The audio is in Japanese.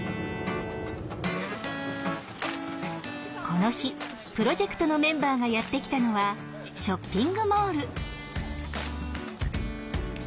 この日プロジェクトのメンバーがやって来たのはショッピングモール。